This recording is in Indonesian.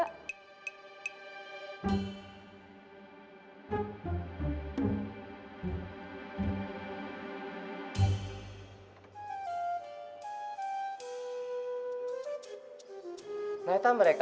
dia clean seringi percaya nenya